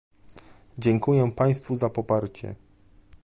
Dziękuję Państwu za poparcie